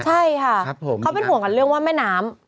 ใช่ค่ะเขาเป็นห่วงกันเรื่องว่าแม่น้ำ